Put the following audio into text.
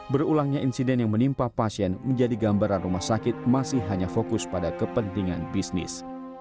berulangnya insiden yang menimpa pasien menjadi gambaran rumah sakit masih hanya fokus pada kepentingan bisnis